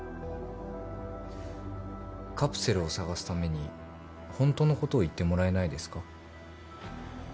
カプセルを捜すためにホントのことを言ってもらえないですか。